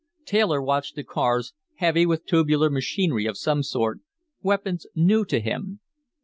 Taylor watched the cars, heavy with tubular machinery of some sort, weapons new to him.